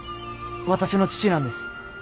私の父なんです。